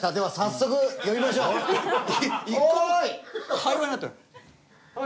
会話になってない。